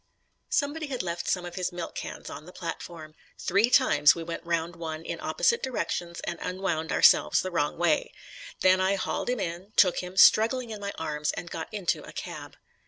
Somebody had left some of his milk cans on the platform. Three times we went round one in opposite directions and unwound ourselves the wrong way. Then I hauled him in, took him, struggling, in my arms and got into a cab.